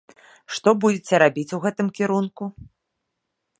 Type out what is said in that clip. Што будзеце рабіць у гэтым кірунку?